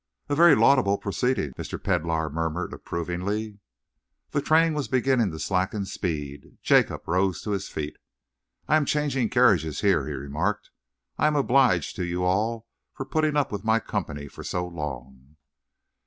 "A very laudable proceeding," Mr. Pedlar murmured approvingly. The train was beginning to slacken speed. Jacob rose to his feet. "I am changing carriages here," he remarked. "I am obliged to you all for putting up with my company for so long."